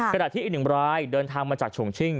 กระดาษที่อีก๑รายเดินทางมาจากช่วงชิ่ง